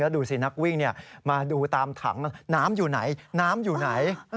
ดูสินักวิ่งมาดูตามถังน้ำอยู่ไหนน้ำอยู่ไหน